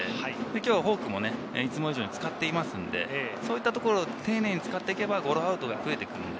今日はフォークもいつも以上に使っていますんで、そういったところを丁寧に使っていればゴロアウトが増えていく。